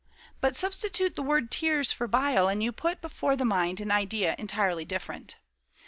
But substitute the word 'tears' for bile, and you put before the mind an idea entirely different.